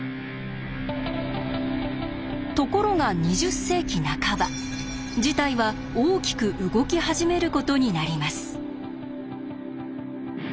ところが２０世紀半ば事態は大きく動き始めることになります。